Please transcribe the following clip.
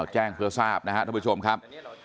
แจ้งเพื่อทราบนะครับท่านผู้ชมครับ